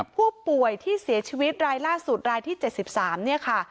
ผู้ป่วยที่เสียชีวิตรายล่าสุดรายที่๗๓เนี่ยค่ะ